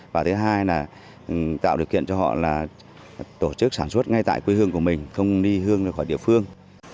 và tạo điều kiện cho họ tổ chức sản xuất ngay tại quê hương của mình không đi hương khỏi địa phương